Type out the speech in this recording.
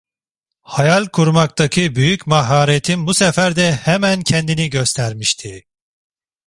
Hayal kurmaktaki büyük maharetim bu sefer de hemen kendini göstermişti.